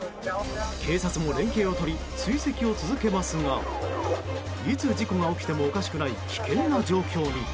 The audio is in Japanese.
警察も連携を取り追跡を続けますがいつ事故が起きてもおかしくない危険な状況に。